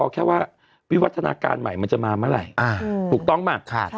แค่ว่าวิวัฒนาการใหม่มันจะมาเมื่อไหร่ถูกต้องไหม